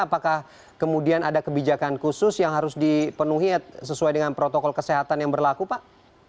apakah kemudian ada kebijakan khusus yang harus dipenuhi sesuai dengan protokol kesehatan yang berlaku pak